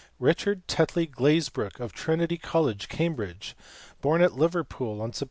Richard Tetley Glazebrook, of Trinity College, Cambridge, born at Liverpool on Sept.